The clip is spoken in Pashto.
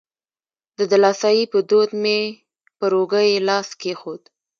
د دلاسایي په دود مې پر اوږه یې لاس کېښود.